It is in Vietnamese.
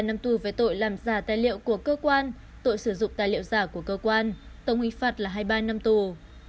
hai mươi năm năm tù về tội làm giả tài liệu của cơ quan tội sử dụng tài liệu giả của cơ quan tổng hình phạt là hai mươi ba năm tù